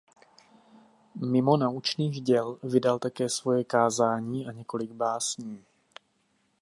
Mimo naučných děl vydal také svoje kázání a několik básní.